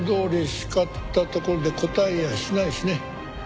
叱ったところでこたえやしないしね。